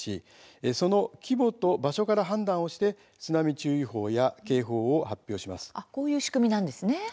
その規模と場所から判断をして津波注意報や警報を発表するんです。